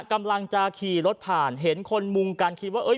กำลังจะขี่รถผ่านเห็นคนมุงกันคิดว่าเอ้ย